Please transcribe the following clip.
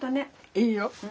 いいよ。